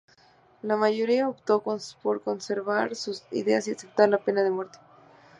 La mayoría optó con conservar sus ideas y aceptar la pena de muerte.